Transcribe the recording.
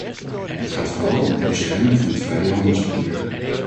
Het gaat vooral om de bescherming van het vrije handelsverkeer.